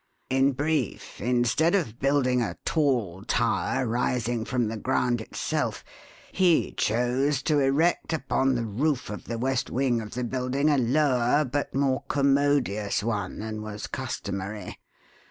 "In brief, instead of building a tall tower rising from the ground itself, he chose to erect upon the roof of the west wing of the building a lower but more commodious one than was customary.